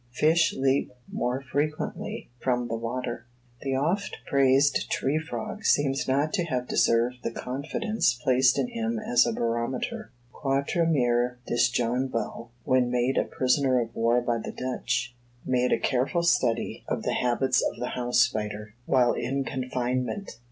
Fish leap more frequently from the water. The oft praised tree frog seems not to have deserved the confidence placed in him as a barometer. Quatremere Disjonval, when made a prisoner of war by the Dutch, made a careful study of the habits of the house spider, while in confinement.